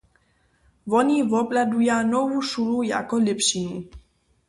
Woni wobhladuja nowu šulu jako lěpšinu.